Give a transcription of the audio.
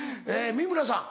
美村さん。